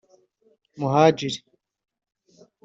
Muhadjili